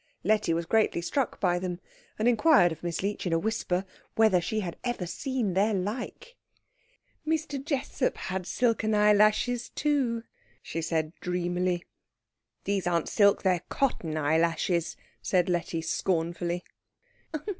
Letty was greatly struck by them, and inquired of Miss Leech in a whisper whether she had ever seen their like. "Mr. Jessup had silken eyelashes too," replied Miss Leech dreamily. "These aren't silk they're cotton eyelashes," said Letty scornfully.